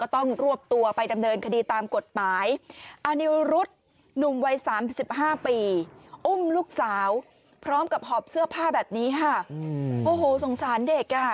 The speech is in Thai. ต้องรวบตัวไปดำเนินคดีตามกฎหมายอานิวรุษหนุ่มวัย๓๕ปีอุ้มลูกสาวพร้อมกับหอบเสื้อผ้าแบบนี้ค่ะโอ้โหสงสารเด็กอ่ะ